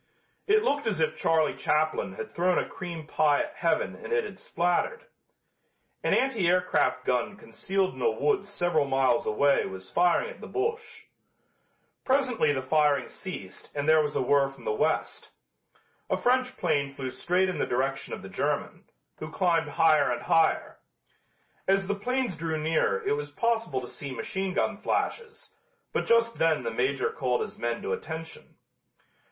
It looked as if Charlie Chaplin had thrown a cream pie at heaven and it had splattered. An anti aircraft gun concealed in a woods several miles away was firing at the Boche. Presently the firing ceased and there was a whirr from the West. A French plane flew straight in the direction of the German, who climbed higher and higher. As the planes drew nearer it was possible to see machine gun flashes, but just then the Major called his men to attention.